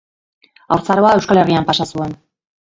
Haurtzaroa Euskal Herrian pasa zuen.